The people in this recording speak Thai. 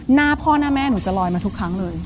หน้าพ่อหน้าแม่หนูจะลอยมาทุกครั้งเลย